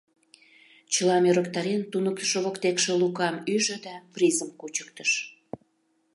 Чылам ӧрыктарен, туныктышо воктекше Лукам ӱжӧ да призым кучыктыш.